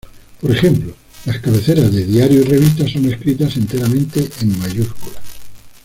Por ejemplo, las cabeceras de diarios y revistas son escritas enteramente en mayúsculas.